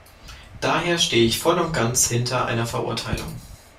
Daher stehe ich voll und ganz hinter einer Verurteilung.